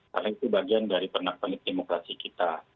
karena itu bagian dari penakpanit demokrasi kita